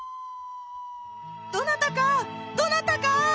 どなたかどなたか！